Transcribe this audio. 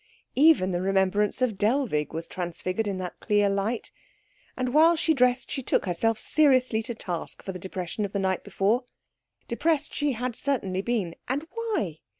Even the remembrance of Dellwig was transfigured in that clear light. And while she dressed she took herself seriously to task for the depression of the night before. Depressed she had certainly been; and why?